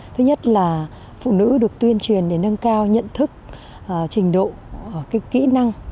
thứ nhất là phụ nữ được tuyên truyền để nâng cao nhận thức trình độ kỹ năng